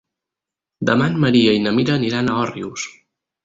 Demà en Maria i na Mira aniran a Òrrius.